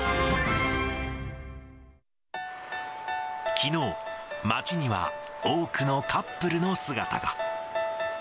きのう、街には多くのカップルの姿が。